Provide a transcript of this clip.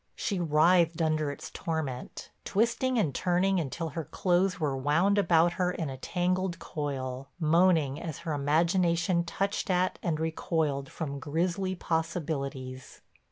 She writhed under its torment, twisting and turning until her clothes were wound about her in a tangled coil, moaning as her imagination touched at and recoiled from grisly possibilities.